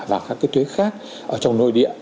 và các cái thuế khác trong nội địa